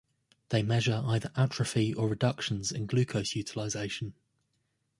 They measure either atrophy or reductions in glucose utilization.